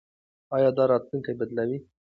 ایا دا راتلونکی بدلوي؟